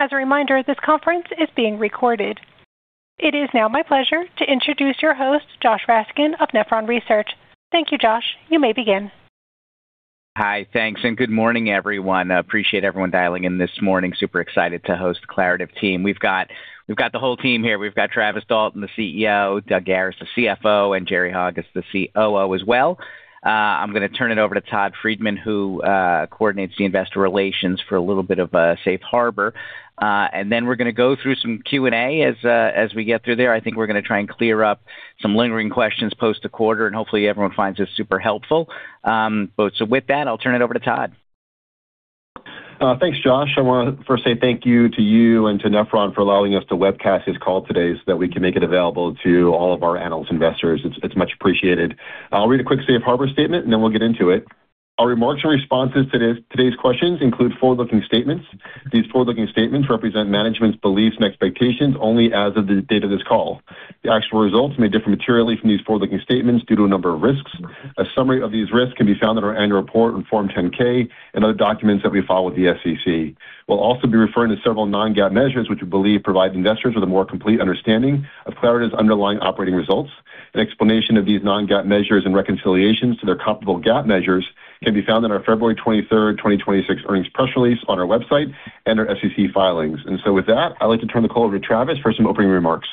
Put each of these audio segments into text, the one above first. As a reminder, this conference is being recorded. It is now my pleasure to introduce your host, Josh Raskin of Nephron Research. Thank you, Josh. You may begin. Hi. Thanks, good morning, everyone. Appreciate everyone dialing in this morning. Super excited to host the Claritev team. We've got the whole team here. We've got Travis Dalton, the CEO, Doug Harris, the CFO, and Jerry Hogg is the COO as well. I'm gonna turn it over to Todd Friedman, who coordinates the investor relations for a little bit of a safe harbor, then we're gonna go through some Q&A. As we get through there, I think we're gonna try and clear up some lingering questions post the quarter, hopefully everyone finds this super helpful. With that, I'll turn it over to Todd. Thanks, Josh. I wanna first say thank you to you and to Nephron Research for allowing us to webcast this call today so that we can make it available to all of our analyst investors. It's much appreciated. I'll read a quick safe harbor statement. Then we'll get into it. Our remarks and responses to today's questions include forward-looking statements. These forward-looking statements represent management's beliefs and expectations only as of the date of this call. The actual results may differ materially from these forward-looking statements due to a number of risks. A summary of these risks can be found in our annual report on Form 10-K and other documents that we file with the SEC. We'll also be referring to several non-GAAP measures, which we believe provide investors with a more complete understanding of Claritev's underlying operating results. An explanation of these non-GAAP measures and reconciliations to their comparable GAAP measures can be found in our February 23rd, 2026 earnings press release on our website and our SEC filings. With that, I'd like to turn the call over to Travis for some opening remarks.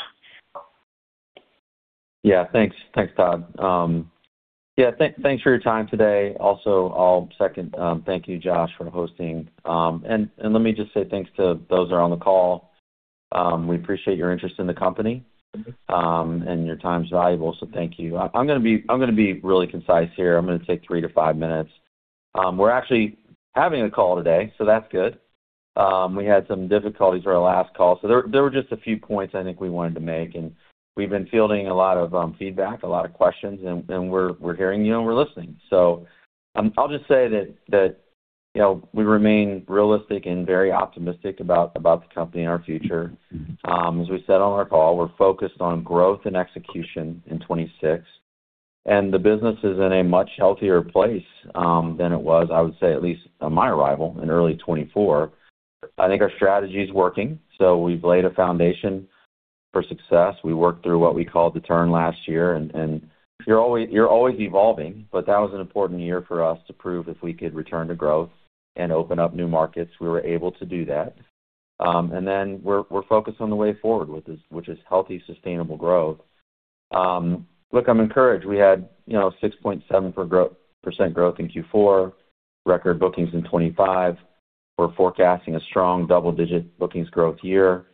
Thanks. Thanks, Todd. Thanks for your time today. Also, I'll second, thank you, Josh, for hosting. Let me just say thanks to those that are on the call. We appreciate your interest in the company, and your time's valuable, thank you. I'm gonna be really concise here. I'm gonna take 3-5 minutes. We're actually having a call today, that's good. We had some difficulties with our last call. There were just a few points I think we wanted to make, and we've been fielding a lot of feedback, a lot of questions, and we're hearing you and we're listening. I'll just say that, you know, we remain realistic and very optimistic about the company and our future. As we said on our call, we're focused on growth and execution in 2026, and the business is in a much healthier place than it was, I would say, at least on my arrival in early 2024. I think our strategy is working, so we've laid a foundation for success. We worked through what we called the turn last year and you're always evolving, but that was an important year for us to prove if we could return to growth and open up new markets. We were able to do that. We're focused on the way forward with this, which is healthy, sustainable growth. Look, I'm encouraged. We had, you know, 6.7% growth in Q4, record bookings in 2025. We're forecasting a strong double-digit bookings growth year.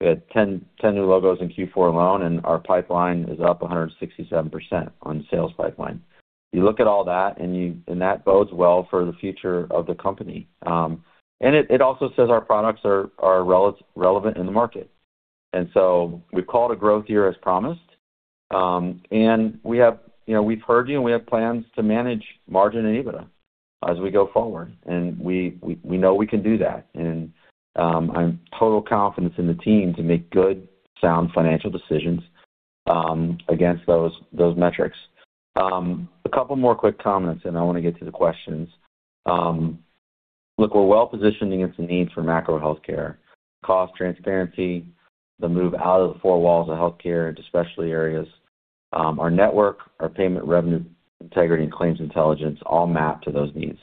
We had 10 new logos in Q4 alone. Our pipeline is up 167% on sales pipeline. You look at all that bodes well for the future of the company. It also says our products are relevant in the market. We've called a growth year as promised. We have, you know, we've heard you and we have plans to manage margin and EBITDA as we go forward. We know we can do that. I have total confidence in the team to make good, sound financial decisions against those metrics. A couple more quick comments, I wanna get to the questions. Look, we're well-positioned against the needs for macro healthcare, cost transparency, the move out of the four walls of healthcare into specialty areas. Our network, our payment revenue integrity and claims intelligence all map to those needs.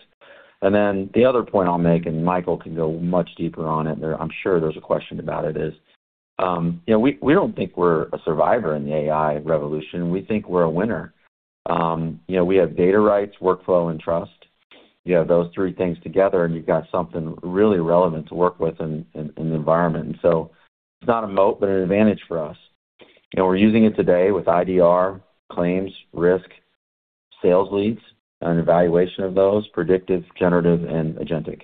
The other point I'll make, and Michael can go much deeper on it there, I'm sure there's a question about it, is, you know, we don't think we're a survivor in the AI revolution. We think we're a winner. You know, we have data rights, workflow, and trust. You have those three things together, and you've got something really relevant to work with in the environment. It's not a moat, but an advantage for us. You know, we're using it today with IDR, claims, risk, sales leads, and evaluation of those, predictive, generative, and agentic.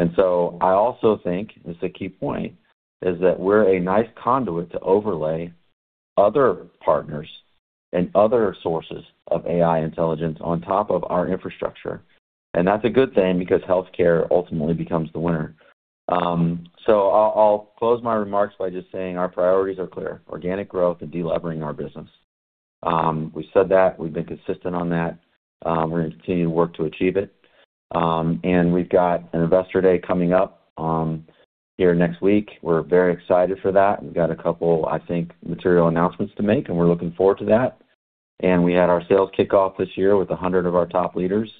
I also think, this is a key point, is that we're a nice conduit to overlay other partners and other sources of AI intelligence on top of our infrastructure, and that's a good thing because healthcare ultimately becomes the winner. I'll close my remarks by just saying our priorities are clear: organic growth and delevering our business. We said that, we've been consistent on that. We're gonna continue to work to achieve it. We've got an investor day coming up here next week. We're very excited for that. We've got a couple, I think, material announcements to make, and we're looking forward to that. We had our sales kickoff this year with 100 of our top leaders,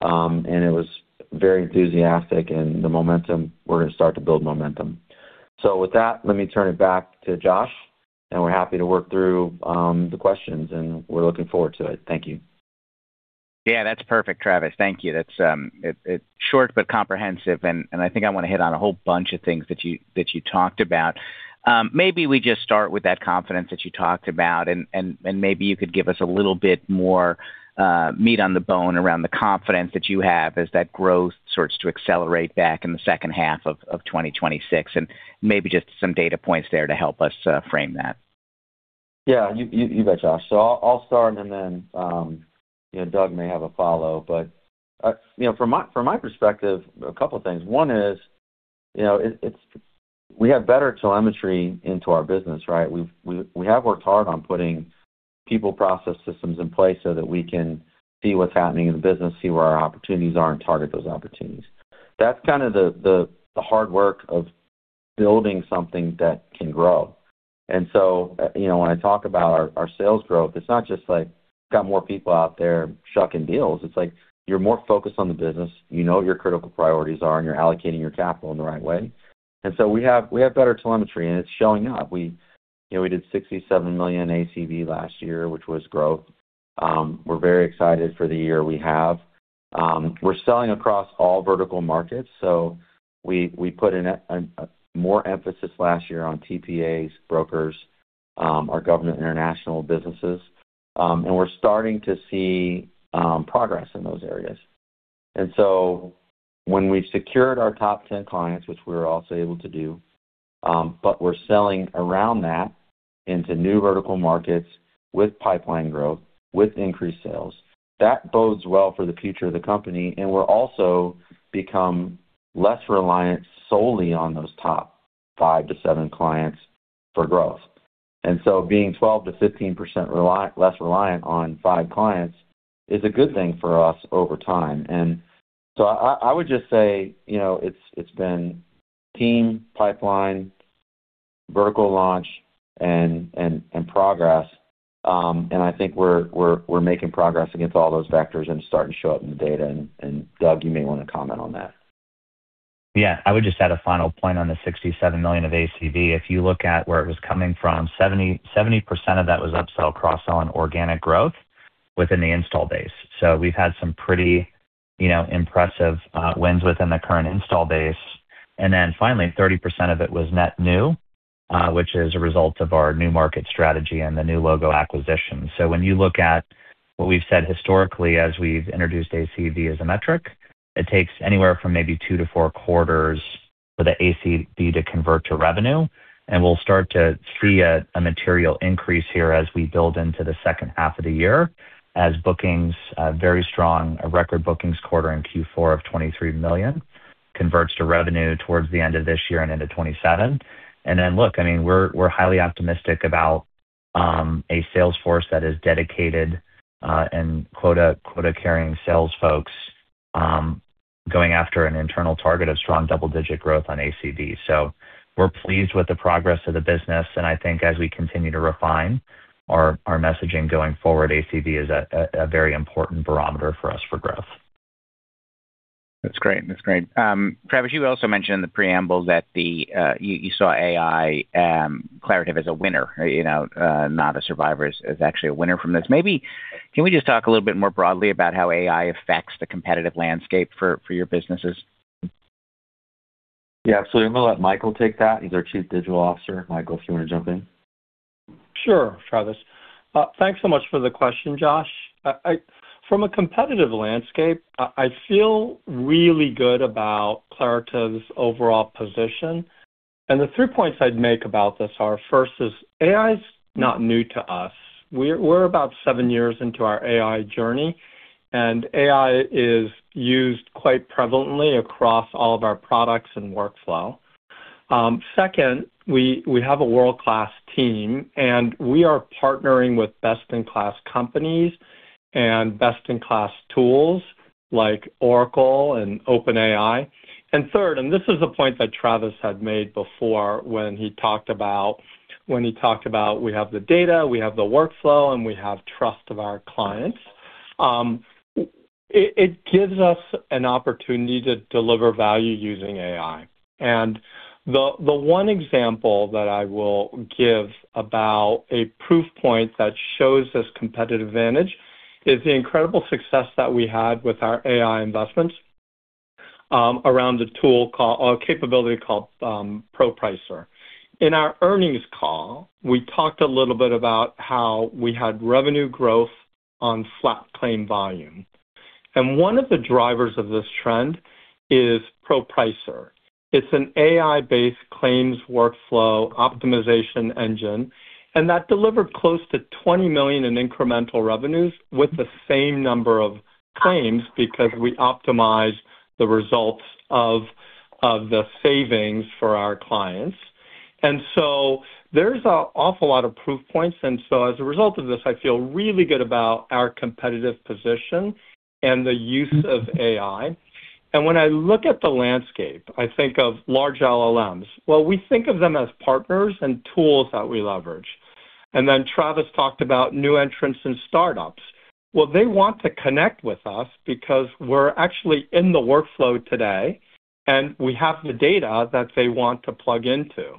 and it was very enthusiastic and the momentum, we're gonna start to build momentum. With that, let me turn it back to Josh, and we're happy to work through the questions, and we're looking forward to it. Thank you. Yeah, that's perfect, Travis. Thank you. That's, It's short but comprehensive, and I think I wanna hit on a whole bunch of things that you talked about. Maybe we just start with that confidence that you talked about and maybe you could give us a little bit more meat on the bone around the confidence that you have as that growth starts to accelerate back in the second half of 2026 and maybe just some data points there to help us frame that. Yeah, you bet, Josh. I'll start and then, you know, Doug may have a follow. You know, from my perspective, a couple of things. One is, you know, we have better telemetry into our business, right? We have worked hard on putting people process systems in place so that we can see what's happening in the business, see where our opportunities are, and target those opportunities. That's kind of the hard work of building something that can grow. You know, when I talk about our sales growth, it's not just like, got more people out there shucking deals. It's like you're more focused on the business, you know what your critical priorities are, and you're allocating your capital in the right way. We have better telemetry, and it's showing up. We, you know, we did $67 million ACV last year, which was growth. We're very excited for the year we have. We're selling across all vertical markets, so we put in a more emphasis last year on TPAs, brokers, our government international businesses. We're starting to see progress in those areas. When we've secured our top 10 clients, which we're also able to do, but we're selling around that into new vertical markets with pipeline growth, with increased sales, that bodes well for the future of the company. We're also become less reliant solely on those top five-seven clients for growth. Being 12%-15% less reliant on five clients is a good thing for us over time. I would just say, you know, it's been team, pipeline, vertical launch and progress. I think we're making progress against all those vectors and starting to show up in the data. Doug, you may wanna comment on that. Yeah. I would just add a final point on the $67 million of ACV. If you look at where it was coming from, 70% of that was upsell cross on organic growth within the install base. We've had some pretty, you know, impressive wins within the current install base. Finally, 30% of it was net new, which is a result of our new market strategy and the new logo acquisition. When you look at what we've said historically as we've introduced ACV as a metric, it takes anywhere from maybe two to four quarters for the ACV to convert to revenue. We'll start to see a material increase here as we build into the second half of the year as bookings very strong. A record bookings quarter in Q4 of $23 million converts to revenue towards the end of this year and into 2027. Look, I mean, we're highly optimistic about a sales force that is dedicated and quota-carrying sales folks going after an internal target of strong double-digit growth on ACV. We're pleased with the progress of the business, and I think as we continue to refine our messaging going forward, ACV is a very important barometer for us for growth. That's great. That's great. Travis, you also mentioned in the preamble that you saw AI, Claritev as a winner, you know, not a survivor, as actually a winner from this. Can we just talk a little bit more broadly about how AI affects the competitive landscape for your businesses? Yeah, absolutely. I'm gonna let Michael take that. He's our Chief Digital Officer. Michael, if you want to jump in. Sure, Travis. Thanks so much for the question, Josh. I, from a competitive landscape, I feel really good about Claritev's overall position. The three points I'd make about this are, first, is AI's not new to us. We're about seven years into our AI journey, and AI is used quite prevalently across all of our products and workflow. Second, we have a world-class team, and we are partnering with best-in-class companies and best-in-class tools like Oracle and OpenAI. Third, and this is a point that Travis had made before when he talked about we have the data, we have the workflow, and we have trust of our clients. It gives us an opportunity to deliver value using AI. The one example that I will give about a proof point that shows this competitive advantage is the incredible success that we had with our AI investments around a capability called ProPricer. In our earnings call, we talked a little bit about how we had revenue growth on flat claim volume. One of the drivers of this trend is ProPricer. It's an AI-based claims workflow optimization engine, and that delivered close to $20 million in incremental revenues with the same number of claims because we optimize the results of the savings for our clients. There's an awful lot of proof points. As a result of this, I feel really good about our competitive position and the use of AI. When I look at the landscape, I think of large LLMs. We think of them as partners and tools that we leverage. Travis talked about new entrants and startups. They want to connect with us because we're actually in the workflow today, and we have the data that they want to plug into.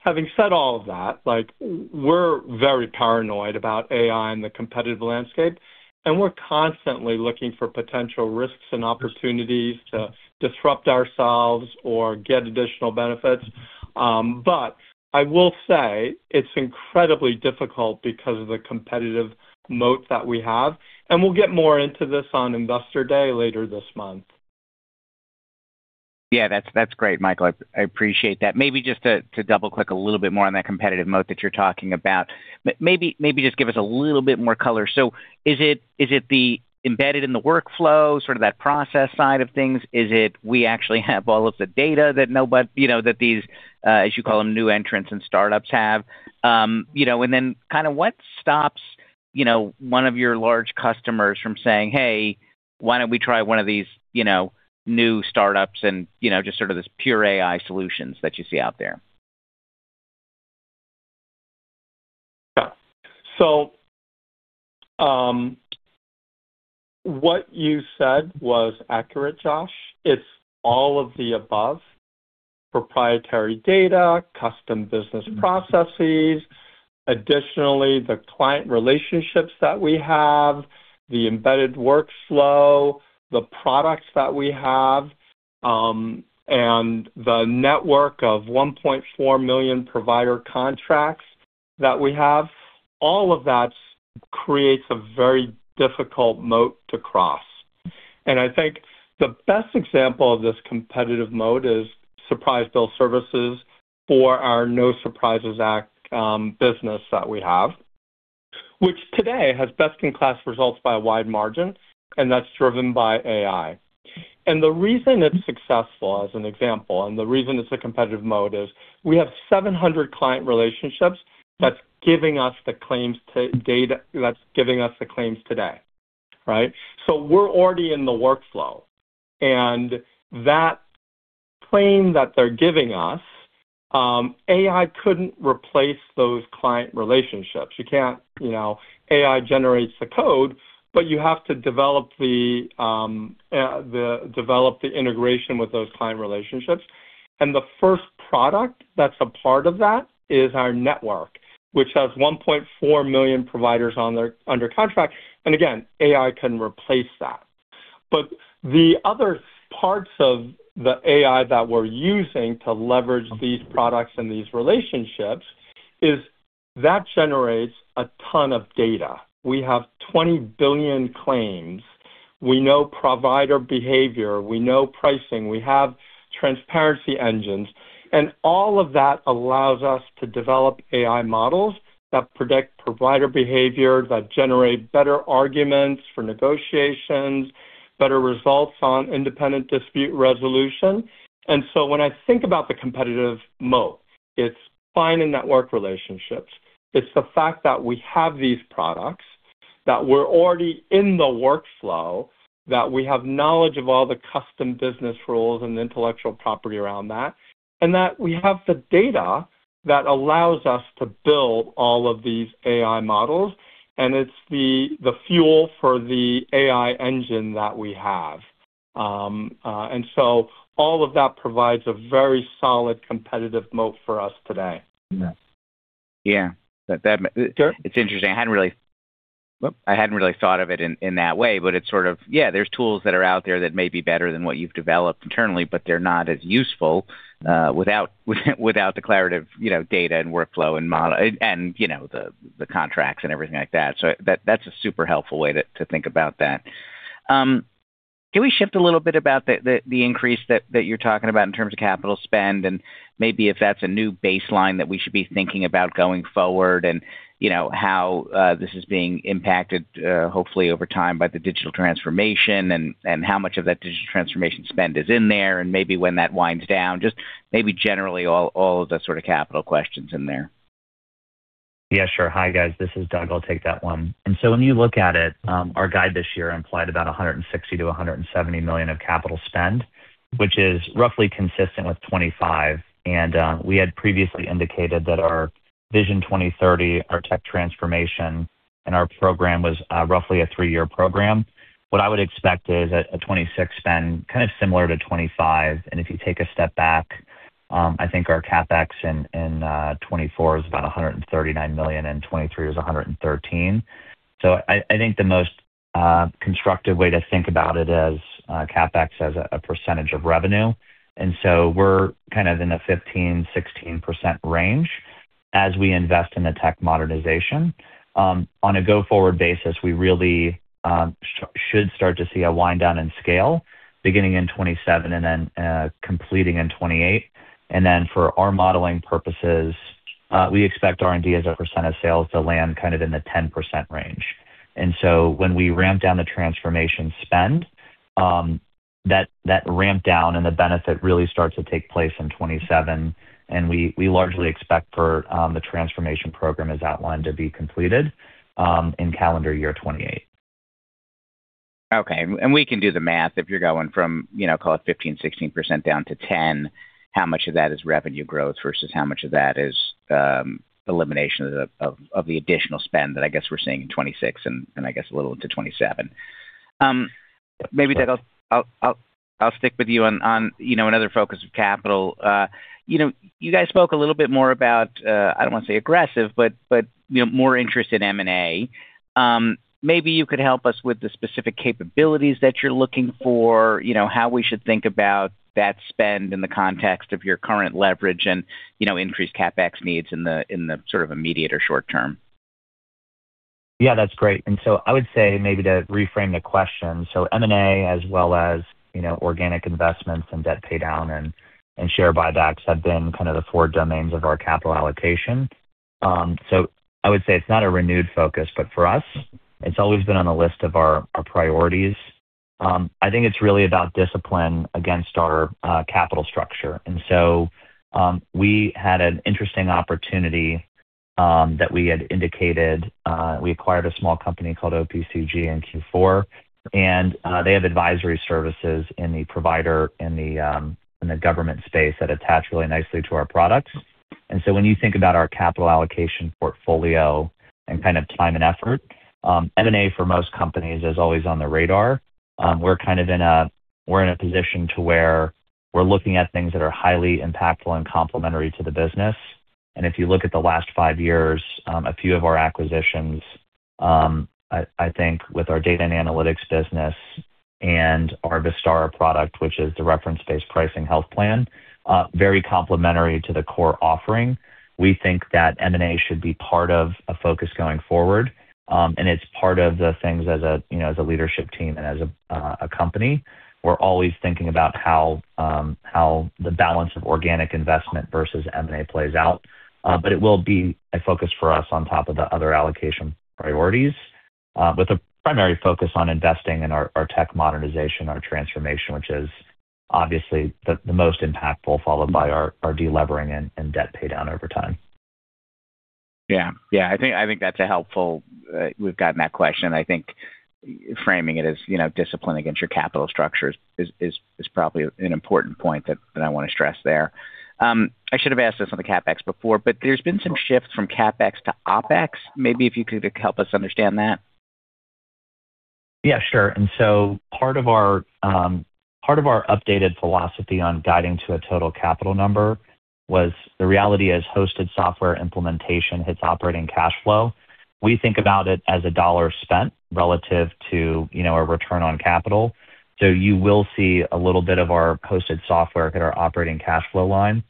Having said all of that, like, we're very paranoid about AI and the competitive landscape, and we're constantly looking for potential risks and opportunities to disrupt ourselves or get additional benefits. I will say it's incredibly difficult because of the competitive moat that we have, and we'll get more into this on Investor Day later this month. Yeah, that's great, Michael. I appreciate that. Maybe just to double-click a little bit more on that competitive moat that you're talking about, maybe just give us a little bit more color. Is it, is it the embedded in the workflow, sort of that process side of things? Is it we actually have all of the data that nobody, you know, that these, as you call them, new entrants and startups have? You know, and then kinda what stops, you know, one of your large customers from saying, "Hey, why don't we try one of these, you know, new startups and, you know, just sort of this pure AI solutions that you see out there? What you said was accurate, Josh. It's all of the above. Proprietary data, custom business processes. Additionally, the client relationships that we have, the embedded workflow, the products that we have, and the network of 1.4 million provider contracts that we have, all of that creates a very difficult moat to cross. I think the best example of this competitive moat is surprise bill services for our No Surprises Act business that we have, which today has best-in-class results by a wide margin, and that's driven by AI. The reason it's successful, as an example, and the reason it's a competitive moat is we have 700 client relationships that's giving us the claims today, right? We're already in the workflow. That claim that they're giving us, AI couldn't replace those client relationships. You can't, you know, AI generates the code, but you have to develop the integration with those client relationships. The first product that's a part of that is our network, which has $1.4 million providers under contract. Again, AI can replace that. The other parts of the AI that we're using to leverage these products and these relationships is that generates a ton of data. We have $20 billion claims. We know provider behavior, we know pricing, we have transparency engines, all of that allows us to develop AI models that predict provider behavior, that generate better arguments for negotiations, better results on Independent Dispute Resolution. When I think about the competitive moat, it's finding network relationships. It's the fact that we have these products, that we're already in the workflow, that we have knowledge of all the custom business rules and intellectual property around that, and that we have the data that allows us to build all of these AI models, and it's the fuel for the AI engine that we have. All of that provides a very solid competitive moat for us today. Yeah. Yeah. That. Sure. It's interesting. I hadn't really thought of it in that way, but it's sort of, yeah, there's tools that are out there that may be better than what you've developed internally, but they're not as useful without declarative, you know, data and workflow and model and, you know, the contracts and everything like that. That's a super helpful way to think about that. Can we shift a little bit about the increase that you're talking about in terms of capital spend and maybe if that's a new baseline that we should be thinking about going forward and, you know, how this is being impacted, hopefully over time by the digital transformation and how much of that digital transformation spend is in there and maybe when that winds down, just maybe generally all of the sort of capital questions in there? Yeah, sure. Hi, guys. This is Doug. I'll take that one. When you look at it, our guide this year implied about $160 million-$170 million of capital spend, which is roughly consistent with 2025. We had previously indicated that our Vision 2030, our tech transformation and our program was roughly a 3-year program. What I would expect is a 2026 spend kind of similar to 2025, and if you take a step back, I think our CapEx in 2024 is about $139 million and 2023 was $113 million. I think the most constructive way to think about it is CapEx as a percentage of revenue. We're kind of in the 15%-16% range as we invest in the tech modernization. On a go-forward basis, we really should start to see a wind down in scale beginning in 2027 and then completing in 2028. For our modeling purposes, we expect R&D as a percent of sales to land kind of in the 10% range. When we ramp down the transformation spend, that ramp down and the benefit really starts to take place in 2027. We largely expect for the transformation program as outlined to be completed in calendar year 2028. Okay. We can do the math. If you're going from, you know, call it 15%-16% down to 10, how much of that is revenue growth versus how much of that is elimination of the additional spend that I guess we're seeing in 2026 and I guess a little into 2027. Maybe, Doug, I'll stick with you on, you know, another focus of capital. You know, you guys spoke a little bit more about, I don't want to say aggressive, but, you know, more interest in M&A. Maybe you could help us with the specific capabilities that you're looking for, you know, how we should think about that spend in the context of your current leverage and, you know, increased CapEx needs in the immediate or short term. That's great. I would say maybe to reframe the question, so M&A as well as, you know, organic investments and debt paydown and share buybacks have been kind of the four domains of our capital allocation. I would say it's not a renewed focus, but for us, it's always been on the list of our priorities. I think it's really about discipline against our capital structure. We had an interesting opportunity that we had indicated. We acquired a small company called OPCG in Q4, and they have advisory services in the provider in the government space that attach really nicely to our products. When you think about our capital allocation portfolio and kind of time and effort, M&A for most companies is always on the radar. We're in a position to where we're looking at things that are highly impactful and complementary to the business. If you look at the last five years, a few of our acquisitions, I think with our data and analytics business and our Vistara product, which is the reference-based pricing health plan, very complementary to the core offering. We think that M&A should be part of a focus going forward. It's part of the things as a, you know, as a leadership team and as a company. We're always thinking about how the balance of organic investment versus M&A plays out. It will be a focus for us on top of the other allocation priorities. With the primary focus on investing in our tech modernization, our transformation, which is obviously the most impactful, followed by our de-levering and debt paydown over time. Yeah. Yeah. I think that's a helpful, we've gotten that question. I think framing it as, you know, discipline against your capital structure is probably an important point that I want to stress there. I should have asked this on the CapEx before, but there's been some shifts from CapEx to OpEx. Maybe if you could help us understand that. Yeah, sure. Part of our updated philosophy on guiding to a total capital number was the reality is hosted software implementation hits operating cash flow. We think about it as a dollar spent relative to, you know, a return on capital. You will see a little bit of our hosted software hit our operating cash flow line.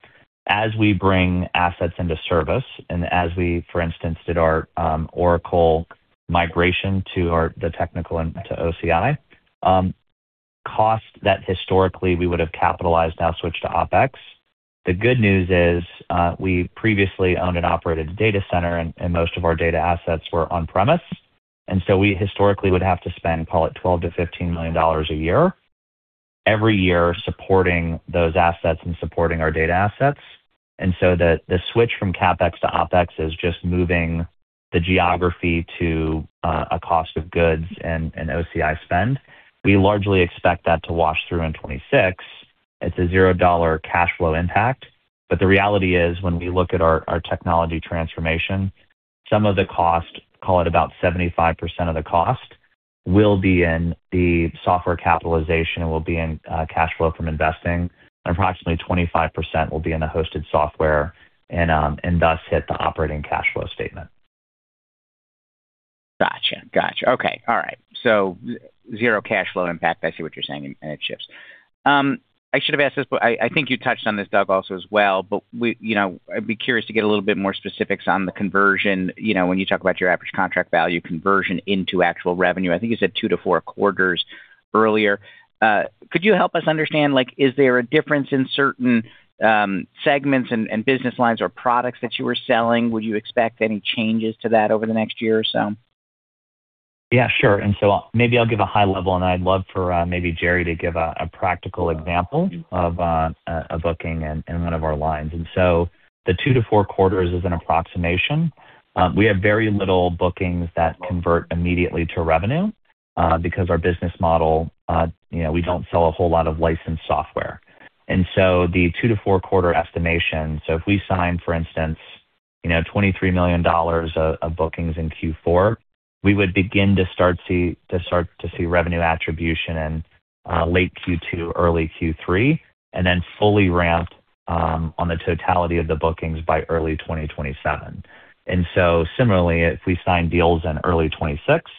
As we bring assets into service and as we, for instance, did our Oracle migration to our, the technical and to OCI, cost that historically we would have capitalized now switched to OpEx. The good news is, we previously owned and operated a data center, and most of our data assets were on-premise. We historically would have to spend, call it $12 million-$15 million a year, every year, supporting those assets and supporting our data assets. The switch from CapEx to OpEx is just moving the geography to a cost of goods and OCI spend. We largely expect that to wash through in 2026. It's a $0 cash flow impact. The reality is, when we look at our technology transformation, some of the cost, call it about 75% of the cost, will be in the software capitalization and will be in cash flow from investing, and approximately 25% will be in the hosted software and thus hit the operating cash flow statement. Gotcha. Gotcha. Okay. All right. Zero cash flow impact. I see what you're saying, and it shifts. I should have asked this, but I think you touched on this, Doug, also as well. You know, I'd be curious to get a little bit more specifics on the conversion, you know, when you talk about your average contract value conversion into actual revenue. I think you said two to four quarters earlier. Could you help us understand, like, is there a difference in certain segments and business lines or products that you were selling? Would you expect any changes to that over the next year or so? Yeah, sure. Maybe I'll give a high level, and I'd love for, maybe Jerry to give a practical example of a booking in one of our lines. The two to four quarters is an approximation. We have very little bookings that convert immediately to revenue because our business model, you know, we don't sell a whole lot of licensed software. The two to four quarter estimation, so if we sign, for instance, you know, $23 million of bookings in Q4, we would start to see revenue attribution in late Q2, early Q3, and then fully ramp on the totality of the bookings by early 2027. Similarly, if we sign deals in early 2026,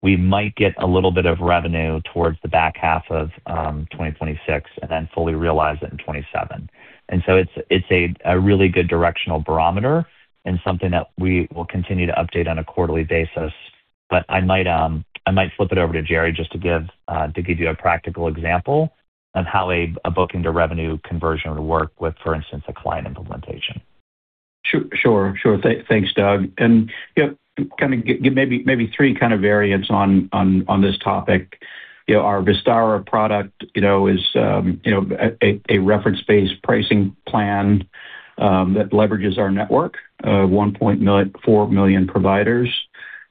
we might get a little bit of revenue towards the back half of 2026 and then fully realize it in 2027. It's, it's a really good directional barometer and something that we will continue to update on a quarterly basis. I might, I might flip it over to Jerry just to give you a practical example on how a booking to revenue conversion would work with, for instance, a client implementation. Sure. Thanks, Doug. You know, kind of give maybe three kind of variants on this topic. You know, our Vistara product, you know, is, you know, a reference-based pricing plan that leverages our network, 1.4 million providers.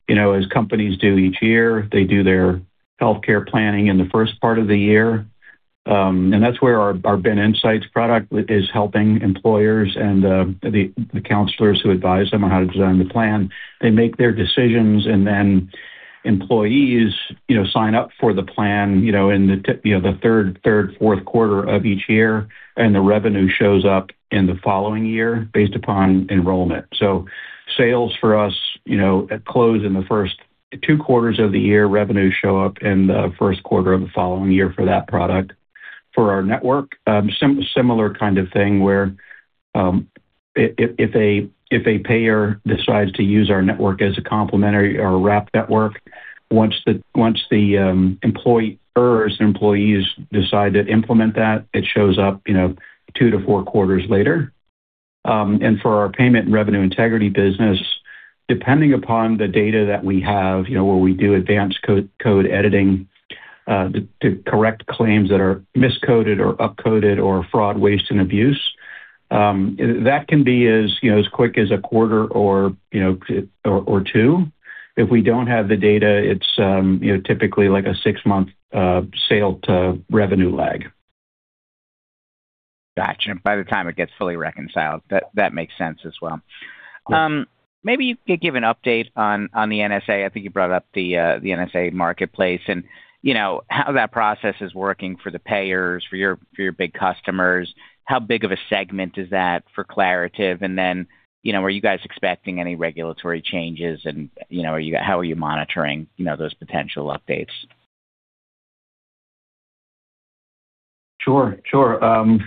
You know, as companies do each year, they do their healthcare planning in the first part of the year. That's where our BenInsights product is helping employers and the counselors who advise them on how to design the plan. They make their decisions, then employees, you know, sign up for the plan, you know, in the, you know, the third, fourth quarter of each year, the revenue shows up in the following year based upon enrollment. Sales for us, you know, close in the first two quarters of the year, revenue show up in the first quarter of the following year for that product. For our network, similar kind of thing, where if a payer decides to use our network as a complementary or a wrap network, once the employer's employees decide to implement that, it shows up, you know, two to four quarters later. For our payment revenue integrity business, depending upon the data that we have, you know, where we do advanced code editing, to correct claims that are miscoded or upcoded or fraud, waste, and abuse, that can be as, you know, as quick as a quarter or, you know, or two. If we don't have the data, it's, you know, typically like a 6-month sale to revenue lag. Gotcha. By the time it gets fully reconciled. That makes sense as well. Maybe you could give an update on the NSA. I think you brought up the NSA marketplace and, you know, how that process is working for the payers, for your big customers. How big of a segment is that for Claritev? Then, you know, are you guys expecting any regulatory changes? You know, how are you monitoring, you know, those potential updates? Sure, sure. You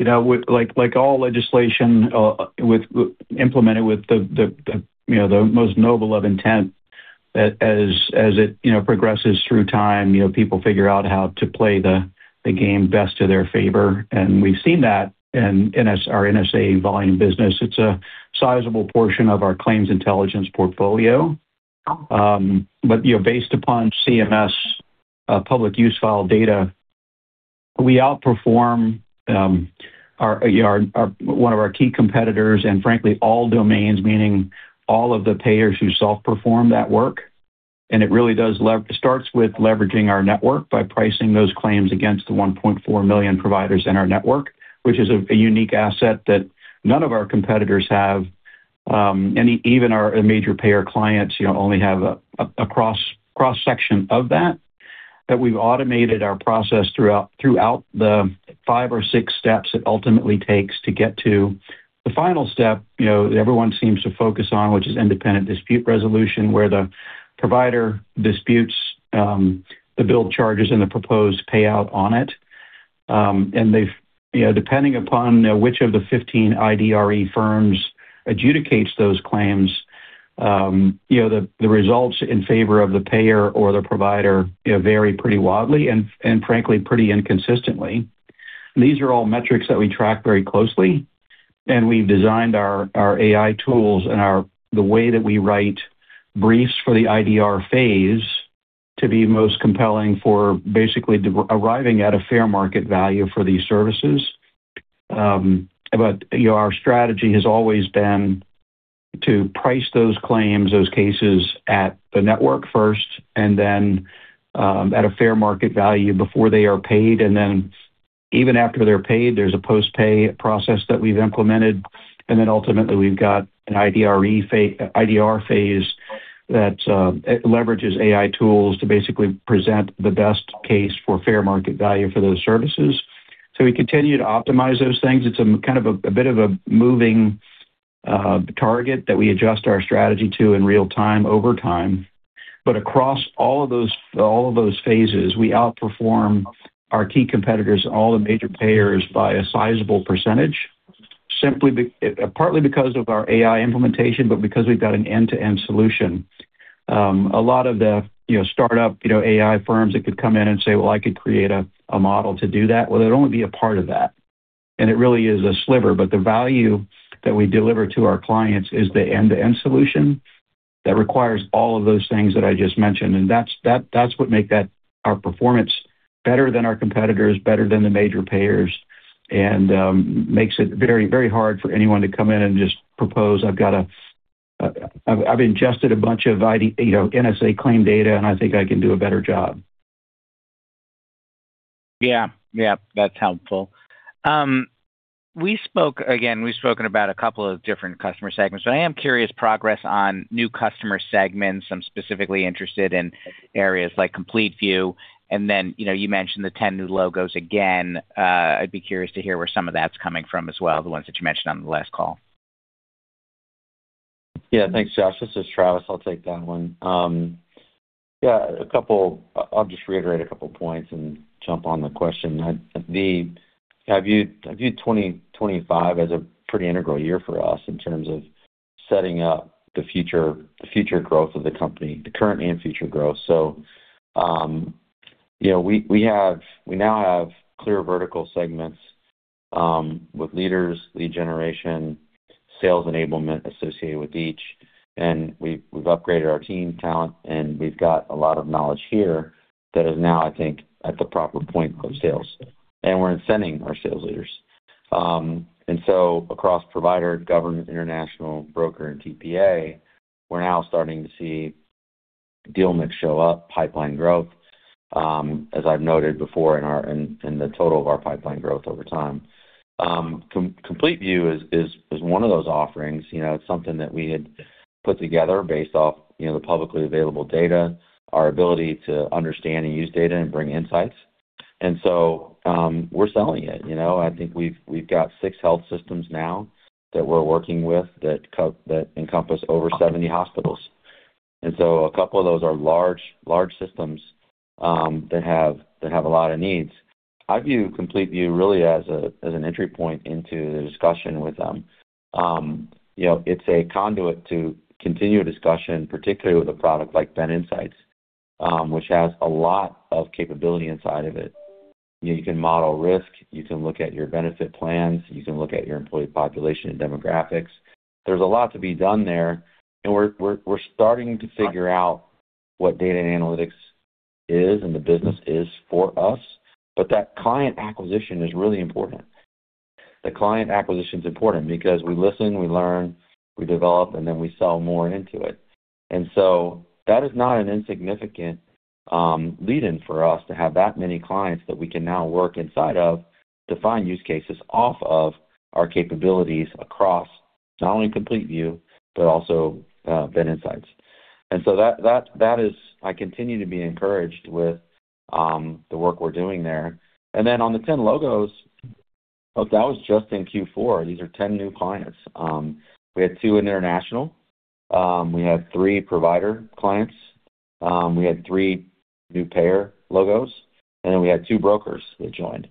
know, with like all legislation, implemented with the, you know, the most noble of intent that as it, you know, progresses through time, you know, people figure out how to play the game best to their favor. We've seen that in our NSA volume business. It's a sizable portion of our claims intelligence portfolio. But, you know, based upon CMS public use file data, we outperform, you know, one of our key competitors and frankly, all domains, meaning all of the payers who self-perform that work. It really does starts with leveraging our network by pricing those claims against the 1.4 million providers in our network, which is a unique asset that none of our competitors have. Even our major payer clients, you know, only have a cross-section of that we've automated our process throughout the five or six steps it ultimately takes to get to the final step, you know, everyone seems to focus on, which is independent dispute resolution, where the provider disputes the bill charges and the proposed payout on it. They've, you know, depending upon which of the 15 IDRE firms adjudicates those claims, you know, the results in favor of the payer or the provider, you know, vary pretty wildly and, frankly, pretty inconsistently. These are all metrics that we track very closely, and we've designed our AI tools and our the way that we write briefs for the IDR phase to be most compelling for basically arriving at a fair market value for these services. You know, our strategy has always been to price those claims, those cases at the network first and then, at a fair market value before they are paid. Even after they're paid, there's a post-pay process that we've implemented. Ultimately we've got an IDR phase that leverages AI tools to basically present the best case for fair market value for those services. We continue to optimize those things. It's kind of a bit of a moving target that we adjust our strategy to in real-time over time. Across all of those, all of those phases, we outperform our key competitors and all the major payers by a sizable percentage, partly because of our AI implementation, but because we've got an end-to-end solution. A lot of the, you know, startup, you know, AI firms that could come in and say, "Well, I could create a model to do that." Well, it'd only be a part of that, and it really is a sliver. The value that we deliver to our clients is the end-to-end solution that requires all of those things that I just mentioned. That's what make that our performance better than our competitors, better than the major payers, and makes it very, very hard for anyone to come in and just propose, "I've ingested a bunch of ID, you know, NSA claim data, and I think I can do a better job. Yeah. Yeah. That's helpful. We've spoken about a couple of different customer segments, but I am curious progress on new customer segments. I'm specifically interested in areas like CompleteVue, then, you know, you mentioned the 10 new logos again. I'd be curious to hear where some of that's coming from as well, the ones that you mentioned on the last call. Yeah. Thanks, Josh. This is Travis. I'll take that one. Yeah, I'll just reiterate a couple of points and jump on the question. I view 2025 as a pretty integral year for us in terms of setting up the future, the future growth of the company, the current and future growth. you know, we now have clear vertical segments with leaders, lead generation, sales enablement associated with each. we've upgraded our team talent, and we've got a lot of knowledge here that is now, I think, at the proper point of sales, and we're incenting our sales leaders. Across provider, government, international, broker, and TPA, we're now starting to see deal mix show up, pipeline growth, as I've noted before in the total of our pipeline growth over time. CompleteVue is one of those offerings. You know, it's something that we had put together based off, you know, the publicly available data, our ability to understand and use data and bring insights. We're selling it. You know, I think we've got six health systems now that we're working with that encompass over 70 hospitals. A couple of those are large systems that have a lot of needs. I view CompleteVue really as an entry point into the discussion with them. You know, it's a conduit to continue a discussion, particularly with a product like BenInsights, which has a lot of capability inside of it. You can model risk, you can look at your benefit plans, you can look at your employee population and demographics. There's a lot to be done there. We're starting to figure out what data and analytics is and the business is for us. That client acquisition is really important. The client acquisition is important because we listen, we learn, we develop, and then we sell more into it. That is not an insignificant lead-in for us to have that many clients that we can now work inside of to find use cases off of our capabilities across not only CompleteVue, but also BenInsights. That is… I continue to be encouraged with the work we're doing there. On the 10 logos, that was just in Q4. These are 10 new clients. We had two in international. We had three provider clients. We had three new payer logos, and then we had two brokers that joined.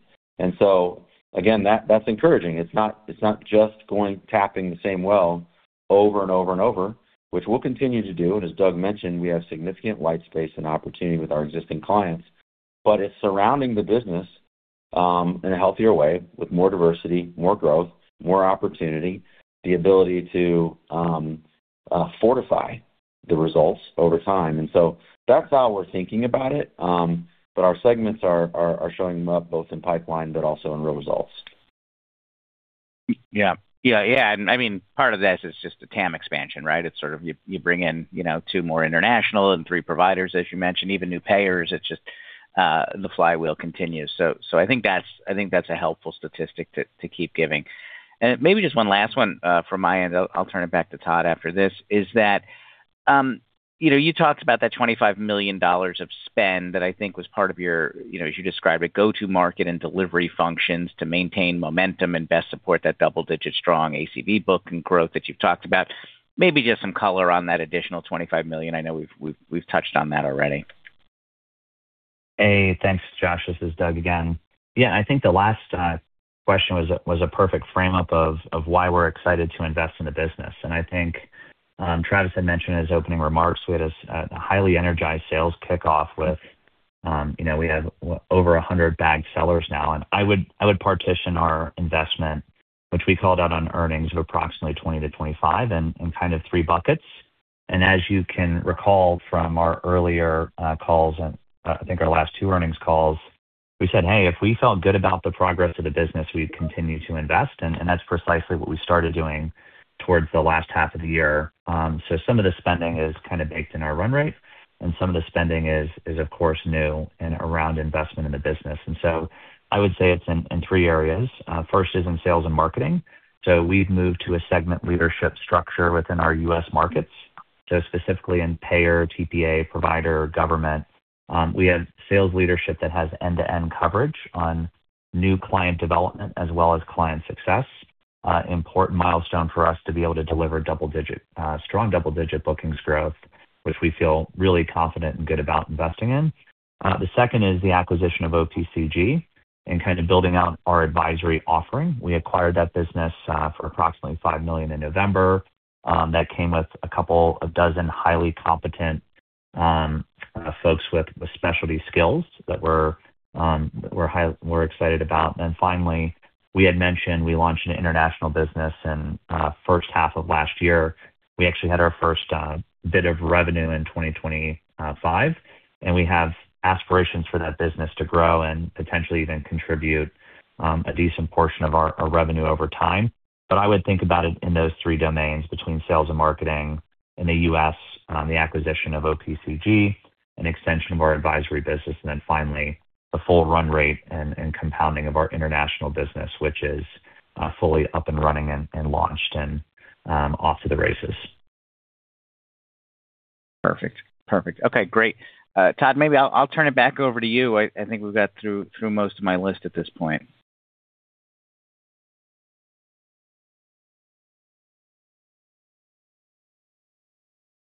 Again, that's encouraging. It's not just going tapping the same well over and over and over, which we'll continue to do. As Doug mentioned, we have significant white space and opportunity with our existing clients. It's surrounding the business in a healthier way with more diversity, more growth, more opportunity, the ability to fortify the results over time. That's how we're thinking about it. Our segments are showing them up both in pipeline but also in real results. Yeah. Yeah. Yeah. I mean, part of this is just the TAM expansion, right? It's sort of you bring in, you know, two more international and three providers, as you mentioned, even new payers. It's just the flywheel continues. I think that's a helpful statistic to keep giving. Maybe just one last one from my end, I'll turn it back to Todd after this, is that, you know, you talked about that $25 million of spend that I think was part of your, you know, as you describe it, go-to market and delivery functions to maintain momentum and best support that double-digit strong ACV book and growth that you've talked about. Maybe just some color on that additional $25 million. I know we've touched on that already. Hey, thanks, Josh. This is Doug again. Yeah, I think the last question was a perfect frame-up of why we're excited to invest in the business. I think Travis had mentioned in his opening remarks, we had a highly energized sales kickoff with, you know, we have over 100 bagged sellers now. I would partition our investment, which we called out on earnings of approximately $20 million-$25 million in kind of three buckets. As you can recall from our earlier calls and I think our last two earnings calls, we said, "Hey, if we felt good about the progress of the business, we'd continue to invest." That's precisely what we started doing towards the last half of the year. Some of the spending is kind of baked in our run rate, and some of the spending is of course new and around investment in the business. I would say it's in three areas. First is in sales and marketing. We've moved to a segment leadership structure within our U.S. markets. Specifically in payer, TPA, provider, government, we have sales leadership that has end-to-end coverage on new client development as well as client success. Important milestone for us to be able to deliver double-digit, strong double-digit bookings growth, which we feel really confident and good about investing in. The second is the acquisition of OPCG and kind of building out our advisory offering. We acquired that business for approximately $5 million in November. That came with a couple of dozen highly competent folks with specialty skills that we're excited about. Finally, we had mentioned we launched an international business in first half of last year. We actually had our first bit of revenue in 2025, and we have aspirations for that business to grow and potentially even contribute a decent portion of our revenue over time. I would think about it in those three domains between sales and marketing in the U.S., the acquisition of OPCG, an extension of our advisory business, and finally the full run rate and compounding of our international business, which is fully up and running and launched and off to the races. Perfect. Perfect. Okay, great. Todd, maybe I'll turn it back over to you. I think we've got through most of my list at this point.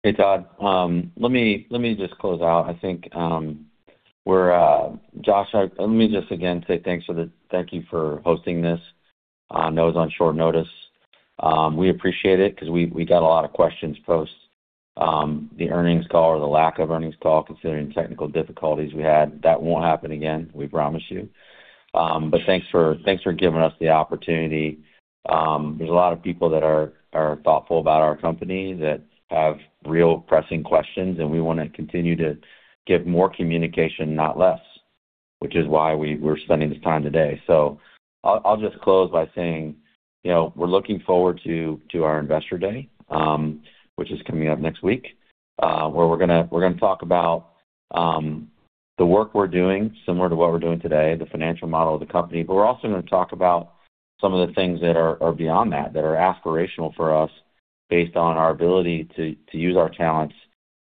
Hey, Todd. Let me just close out. I think, Josh, let me just again say thank you for hosting this on, that was on short notice. We appreciate it 'cause we got a lot of questions post the earnings call or the lack of earnings call considering technical difficulties we had. That won't happen again, we promise you. Thanks for giving us the opportunity. There's a lot of people that are thoughtful about our company that have real pressing questions, and we wanna continue to give more communication, not less, which is why we're spending this time today. I'll just close by saying, you know, we're looking forward to our investor day, which is coming up next week, where we're gonna talk about the work we're doing similar to what we're doing today, the financial model of the company, but we're also gonna talk about some of the things that are beyond that are aspirational for us based on our ability to use our talents,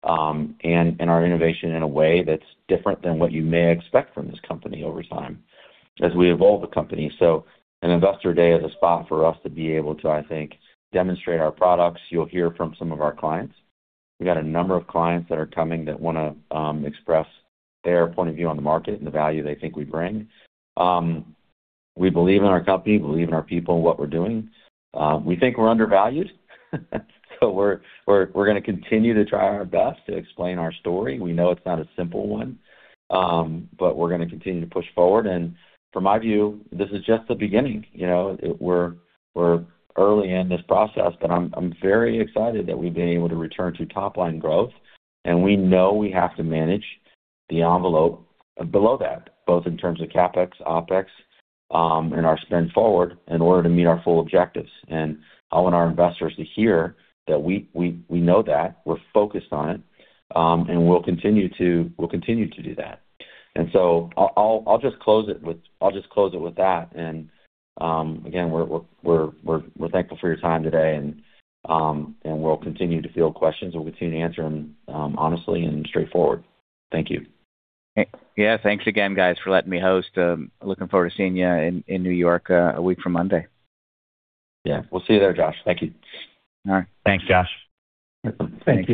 and our innovation in a way that's different than what you may expect from this company over time as we evolve the company. An investor day is a spot for us to be able to, I think, demonstrate our products. You'll hear from some of our clients. We got a number of clients that are coming that wanna express their point of view on the market and the value they think we bring. We believe in our company, believe in our people and what we're doing. We think we're undervalued. We're gonna continue to try our best to explain our story. We know it's not a simple one, we're gonna continue to push forward. From my view, this is just the beginning. You know? We're early in this process, but I'm very excited that we've been able to return to top-line growth, and we know we have to manage the envelope below that, both in terms of CapEx, OpEx, and our spend forward in order to meet our full objectives. I want our investors to hear that we know that, we're focused on it, and we'll continue to do that. I'll just close it with that. Again, we're thankful for your time today and we'll continue to field questions and we'll continue to answer them honestly and straightforward. Thank you. Yeah. Thanks again, guys, for letting me host. Looking forward to seeing you in New York, a week from Monday. Yeah. We'll see you there, Josh. Thank you. All right. Thanks, Josh. Thanks.